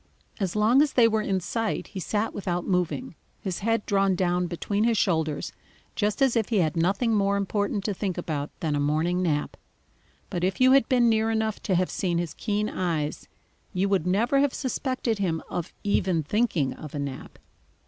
As long as they were in sight, he sat without moving, his head drawn down between his shoulders just as if he had nothing more important to think about than a morning nap. But if you had been near enough to have seen his keen eyes, you would never have suspected him of even thinking of a nap.